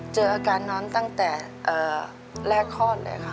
เจออาการน้องตั้งแต่แรกคลอดเลยค่ะ